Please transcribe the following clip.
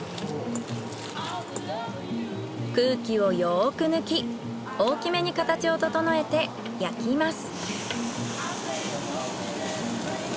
空気をよく抜き大きめに形を整えて焼きます。